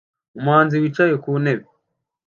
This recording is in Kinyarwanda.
Umuhanzi wicaye ku ntebe